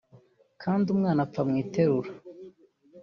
kandi umwana apfa mu iterura